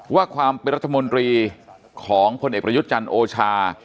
ว่าความเป็นรัฐมนตรีของพลเอกประยุทธ์จันทร์โอชา